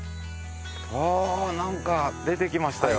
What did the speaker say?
わなんか出てきましたよ。